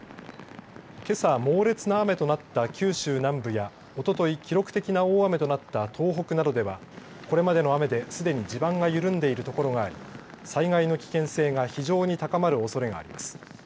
けさ、猛烈な雨となった九州南部やおととい、記録的な大雨となった東北などではこれまでの雨ですでに地盤が緩んでいる所があり災害の危険性が非常に高まるおそれがあります。